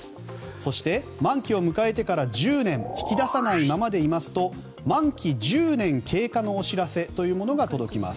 そして、満期を迎えてから１０年引き出さないままでいますと満期１０年経過のお知らせというものが届きます。